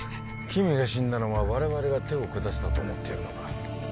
木見が死んだのは我々が手を下したと思っているのか？